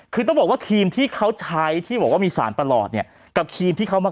คือต้องบอกว่าครีมที่เขาใช้ที่บอกว่ามีสารประหลอดเนี่ยกับครีมที่เขามา